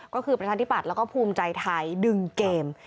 ก็คือเป็นท่านที่ปัดแล้วก็ภูมิใจไทยดึงเกม